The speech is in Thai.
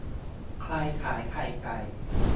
ใครขายไข่ไก่